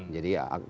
jadi tidak percaya